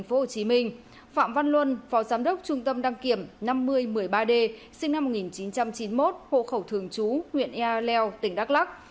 nguyễn phạm văn luân phó giám đốc trung tâm đăng kiểm năm mươi một mươi ba d sinh năm một nghìn chín trăm chín mươi một hộ khẩu thường trú tại quận một mươi tp đắc lắc